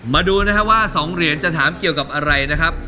มาดูนะครับว่า๒เหรียญจะถามเกี่ยวกับอะไรนะครับ